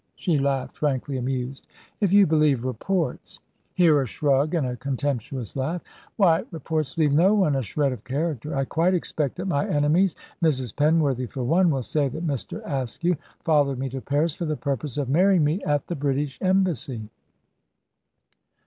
She laughed, frankly amused. "If you believe reports " Here a shrug and a contemptuous laugh. "Why, reports leave no one a shred of character. I quite expect that my enemies Mrs. Penworthy, for one will say that Mr. Askew followed me to Paris, for the purpose of marrying me at the British Embassy."